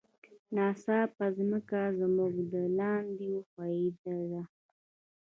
ناڅاپه ځمکه زموږ لاندې وخوزیده.